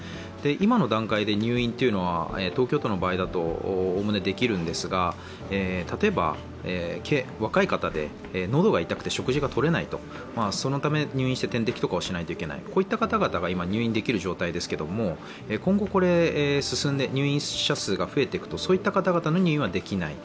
今の段階で入院は、東京都の場合だとおおむねできるんですが例えば若い方で喉が痛い方で食事がとれない、そのため入院して点滴をしないといけない、こういった方々が今、入院できる状態ですけど、今後これ進んで入院者数が増えていくとそういった方々の入院はできない。